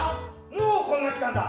もうこんな時間だ。